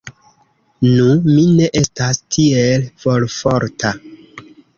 Nu, mi ne estas tiel volforta.